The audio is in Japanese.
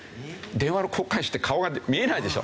電話の交換手って顔が見えないでしょ？